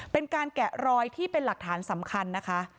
แกะรอยที่เป็นหลักฐานสำคัญนะคะ